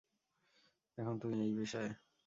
এখন তুইও এই পেশায়?